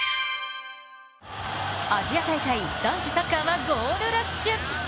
アジア大会、男子サッカーはゴールラッシュ。